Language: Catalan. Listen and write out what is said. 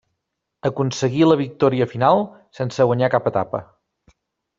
Aconseguí la victòria final sense guanyar cap etapa.